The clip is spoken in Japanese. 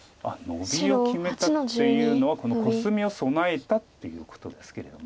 ノビを決めたっていうのはコスミを備えたっていうことですれども。